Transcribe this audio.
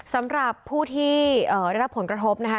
สำหรับผู้ที่ได้รับผลกระทบนะคะ